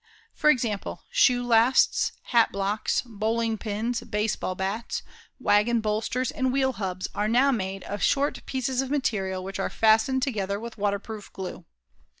For example, shoe lasts, hat blocks, bowling pins, base ball bats, wagon bolsters and wheel hubs are now made of short pieces of material which are fastened together with waterproof glue.